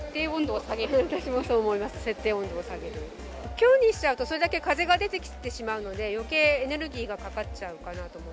強にしちゃうと、それだけ風が出てきてしまうので、よけいエネルギーがかかっちゃうかなと思う。